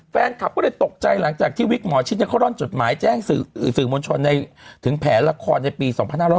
แฟนคลับก็เลยตกใจหลังจากที่วิกหมอชิดเขาร่อนจดหมายแจ้งสื่อมวลชนถึงแผนละครในปี๒๕๖๐